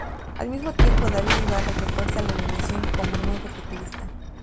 Al mismo tiempo David Ibarra refuerza la alineación como nuevo teclista.